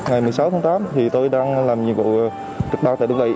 ngày một mươi sáu tháng tám thì tôi đang làm nhiệm vụ trực báo tại đường vệ